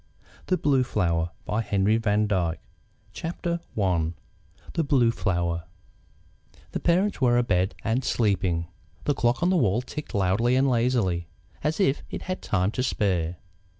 The Lost Word IX. The First Christmas Tree THE BLUE FLOWER The parents were abed and sleeping. The clock on the wall ticked loudly and lazily, as if it had time to spare.